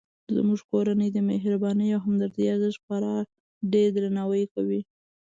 زموږ کورنۍ د مهربانۍ او همدردۍ ارزښت خورا ډیردرناوی کوي